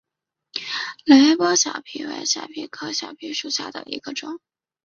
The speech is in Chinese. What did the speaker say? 雷波小檗为小檗科小檗属下的一个种。